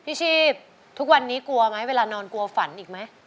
ชีพทุกวันนี้กลัวไหมเวลานอนกลัวฝันอีกไหม